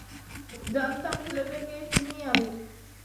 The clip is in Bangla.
জানতাম ছেলেটাকে চিনি আমি।